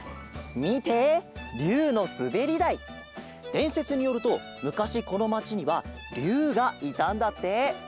でんせつによるとむかしこのまちにはりゅうがいたんだって。